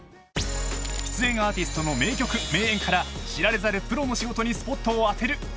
［出演アーティストの名曲名演から知られざるプロの仕事にスポットを当てる。